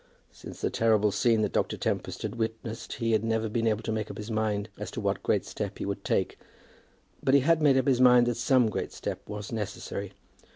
Since the terrible scene that Dr. Tempest had witnessed, he had never been able to make up his mind as to what great step he would take, but he had made up his mind that some great step was necessary.